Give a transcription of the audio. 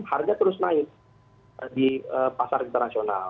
harga terus naik di pasar internasional